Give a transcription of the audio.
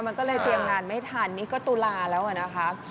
มันก็เลยเตรียมงานไม่ทันนี่ก็ตุลาแล้วอะนะคะ